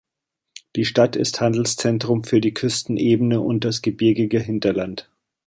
Die Stadt ist Handelszentrum für die Küstenebene und das gebirgige Hinterland.